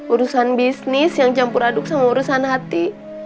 urusan bisnis yang campur aduk sama urusan hati